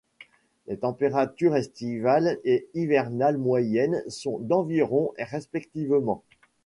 Les températures estivale et hivernale moyennes sont d'environ et respectivement.